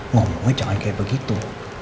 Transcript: ngomongnya jangan kayak begitu